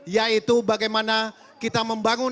yaitu bagaimana kita membangun